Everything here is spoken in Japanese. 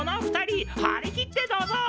張り切ってどうぞ！